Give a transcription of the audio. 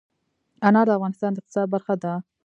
انار د افغانستان د اقتصاد برخه ده.